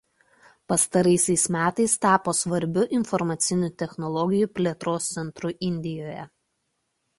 Pastaraisiais metais tapo svarbiu informacinių technologijų plėtros centru Indijoje.